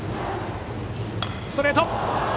ストレート。